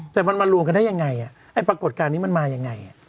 แต่มันมารวมกันได้ยังไงไอ้ปรากฏการณ์นี้มันมายังไง